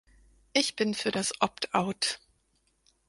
Ich bin für das "Opt-Out" .